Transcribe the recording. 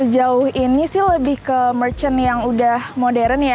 jauh ini sih lebih ke merchant yang udah modern ya